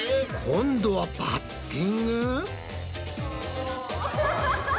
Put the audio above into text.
今度はバッティング？